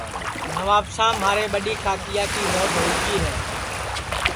نوابشام مھاری ٻڈؔی کاکایا کی موت ہوئی گی ہے